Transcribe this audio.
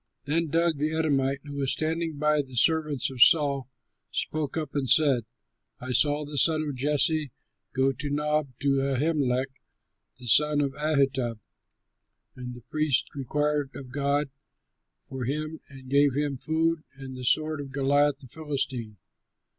Then Doeg the Edomite, who was standing by the servants of Saul, spoke up and said, "I saw the son of Jesse go to Nob, to Ahimelech, the son of Ahitub. And the priest inquired of God for him and gave him food and the sword of Goliath the Philistine."